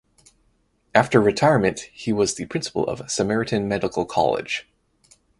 After retirement he was the principal of Samaritan Medical College.